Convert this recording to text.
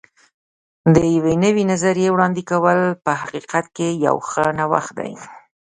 د یوې نوې نظریې وړاندې کول په حقیقت کې یو ښه نوښت دی.